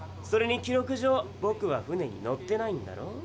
それに記録上ぼくは船に乗ってないんだろ？